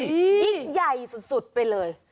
ยิ่งใหญ่สุดไปเลย